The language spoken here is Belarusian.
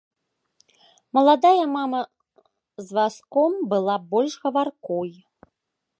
Маладая мама з вазком была больш гаваркой.